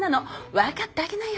分かってあげなよ。